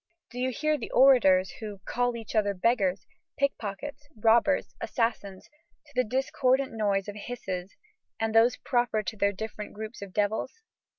Do you hear the orators who "call each other beggars, pickpockets, robbers, assassins, to the discordant noise of hisses and those proper to their different groups of devils?